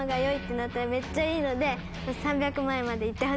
なったらめっちゃいいので。